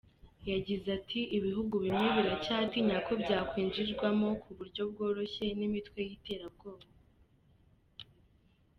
Yagize ati "Ibihugu bimwe biracyatinya ko byakwinjirwamo ku buryo bworoshye n’imitwe y’iterabwoba.